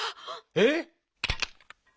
えっ？